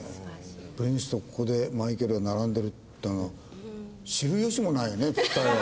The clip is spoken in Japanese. プリンスとここでマイケルが並んでるっていうのを知る由もないよね２人は。